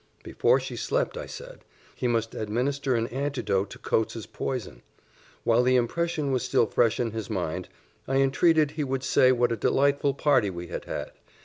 Before she slept, I said, he must administer an antidote to Coates's poison. While the impression was still fresh in his mind, I entreated he would say what a delightful party we had had.